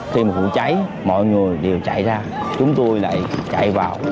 khi mà vụ cháy mọi người đều chạy ra chúng tôi lại chạy vào